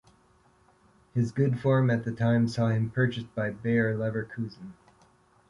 His good form at the time saw him purchased by Bayer Leverkusen.